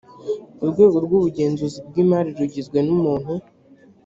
urwego rw ubugenzuzi bw imari rugizwe n umuntu